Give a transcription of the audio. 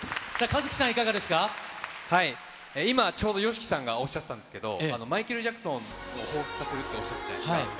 さあ、今、ちょうどＹＯＳＨＩＫＩさんがおっしゃってたんですけど、マイケル・ジャクソンをほうふつさせるっておっしゃってたじゃないですか。